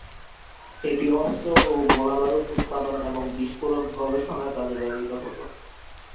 এটি অস্ত্র ও গোলাবারুদ উৎপাদন এবং বিস্ফোরক গবেষণার কাজে ব্যবহৃত হত।